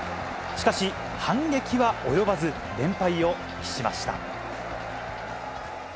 しかし、反撃は及ばず、連敗を喫しました。